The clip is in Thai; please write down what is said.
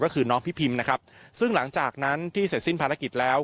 ก็คือน้องพี่พิมนะครับซึ่งหลังจากนั้นที่เสร็จสิ้นภารกิจแล้ว